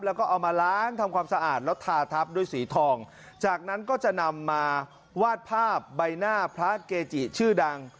แล้วก็เอามาล้างทำความสะอาดแล้วทาทับด้วยสีทองจากนั้นก็จะนำมาวาดภาพใบหน้าพระเกจิชื่อดัง